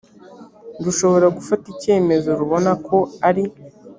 rushobora gufata icyemezo rubona ko ari